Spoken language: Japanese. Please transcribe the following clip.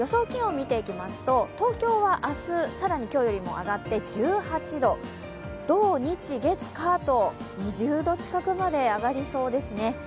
気温みていきますと、東京は明日、更に今日よりも上がって１８度、土日月火と２０度近くまで上がりそうですね。